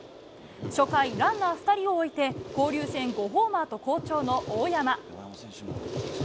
初回、ランナー２人を置いて、交流戦５ホーマーと好調の大山。